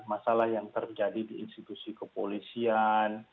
masalah yang terjadi di institusi kepolisian